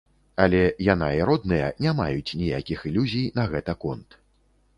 Але яна і родныя не маюць ніякіх ілюзій на гэта конт.